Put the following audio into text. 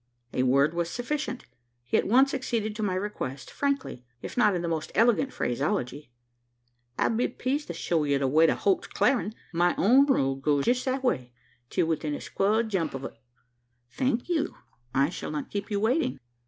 A word was sufficient. He at once acceded to my request, frankly, if not in the most elegant phraseology, "I'll be pleased to show ye the way to Holt's Clarin'. My own road goes jest that way, till within a squ'll's jump o't." "Thank you: I shall not keep you waiting."